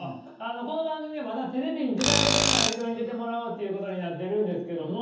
この番組はまだテレビに出たことない人に出てもらおうっていうことになってるんですけども。